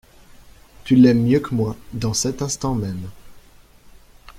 Tu l'aimes mieux que moi, dans cet instant même!